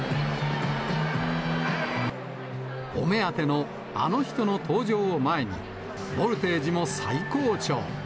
お目当てのあの人の登場を前に、ボルテージも最高潮。